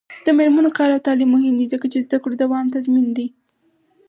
د میرمنو کار او تعلیم مهم دی ځکه چې زدکړو دوام تضمین دی.